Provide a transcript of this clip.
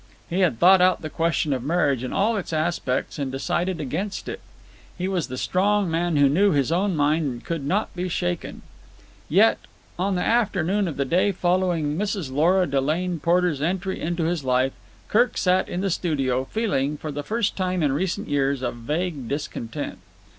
He had thought out the question of marriage in all its aspects, and decided against it. He was the strong man who knew his own mind and could not be shaken. Yet, on the afternoon of the day following Mrs. Lora Delane Porter's entry into his life, Kirk sat in the studio, feeling, for the first time in recent years, a vague discontent.